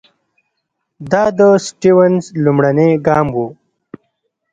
دا د سټیونز لومړنی ګام وو.